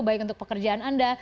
baik untuk pekerjaan anda